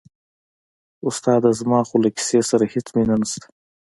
استاده زما خو له کیسې سره هېڅ مینه نشته.